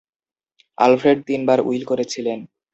Alfred তিনবার will করেছিলেন।